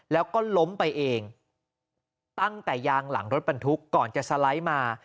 แล้วก็ล้มไปเองตั้งแต่ยางหลังรถบรรทุกก่อนจะสไลด์มา